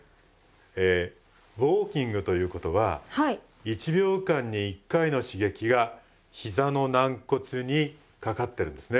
えウォーキングということは１秒間に１回の刺激がひざの軟骨にかかってるんですね。